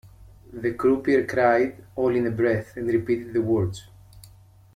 The croupier cried, all in a breath - and repeated the words.